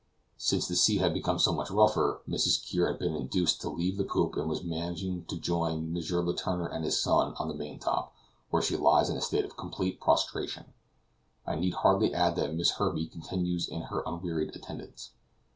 Since the sea has become so much rougher, Mrs. Kear has been induced to leave the poop, and has managed to join M. Letourneur and his son on the main top, where she lies in a state of complete prostration. I need hardly add that Miss Herbey continues in her unwearied attendance.